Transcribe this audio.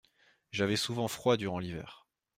J’avais souvent froid durant l’hiver.